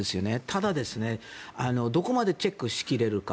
ただ、どこまでチェックしきれるか。